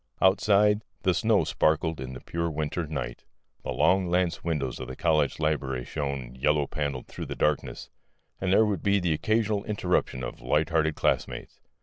Outside, the snow sparkled in the pure winter night; the long lance windows of the college library shone yellow panelled through the darkness, and there would be the occasional interruption of light hearted classmates.